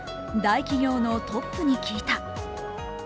大企業のトップに聞いた。